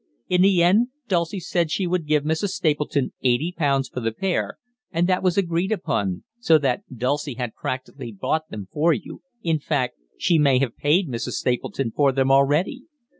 In the end Dulcie said she would give Mrs. Stapleton eighty pounds for the pair, and that was agreed upon, so that Dulcie has practically bought them for you, in fact she may have paid Mrs. Stapleton for them already.